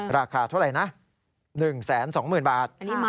ราคาเท่าไหร่นะ๑๒๐๐๐บาท